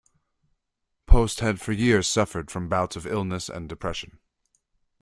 Post had for years suffered from bouts of illness and depression.